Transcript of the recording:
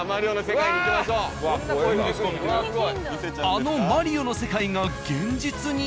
あのマリオの世界が現実に？